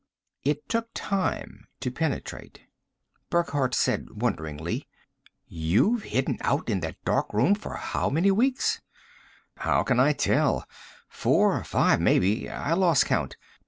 It took time to penetrate. Burckhardt said wonderingly, "You've hidden out in that darkroom for how many weeks?" "How can I tell? Four or five, maybe. I lost count.